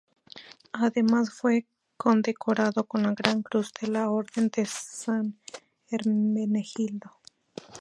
Además, fue condecorado con la gran cruz de la Orden de San Hermenegildo.